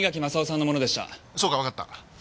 そうかわかった。